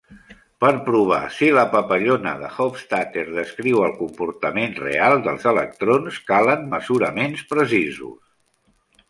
Per provar si la papallona de Hofstadter descriu el comportament real dels electrons, calen mesuraments precisos.